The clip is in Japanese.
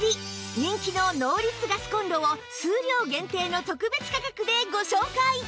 人気のノーリツガスコンロを数量限定の特別価格でご紹介